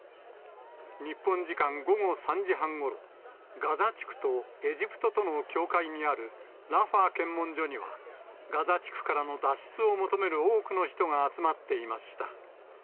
日本時間午後３時半ごろ、ガザ地区とエジプトとの境界にあるラファ検問所には、ガザ地区からの脱出を求める多くの人が集まっていました。